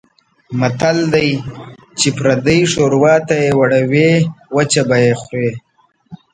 متل دی: چې پردۍ شوروا ته یې وړوې وچه به یې خورې.